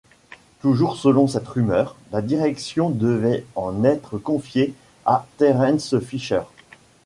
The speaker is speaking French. Toujours selon cette rumeur, la direction devait en être confiée à Terence Fisher.